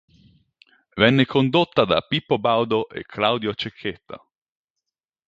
Venne condotta da Pippo Baudo e Claudio Cecchetto.